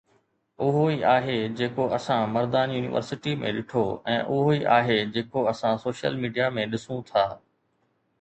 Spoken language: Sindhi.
اهو ئي آهي جيڪو اسان مردان يونيورسٽي ۾ ڏٺو ۽ اهو ئي آهي جيڪو اسان سوشل ميڊيا ۾ ڏسون ٿا.